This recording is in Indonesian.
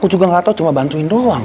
aku juga gak tau cuma bantuin doang